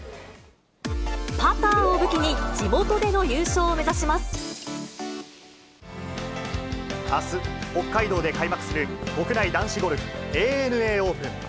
パターを武器に、地元での優あす、北海道で開幕する国内男子ゴルフ、ＡＮＡオープン。